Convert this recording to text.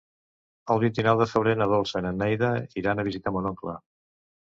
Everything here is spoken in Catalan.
El vint-i-nou de febrer na Dolça i na Neida iran a visitar mon oncle.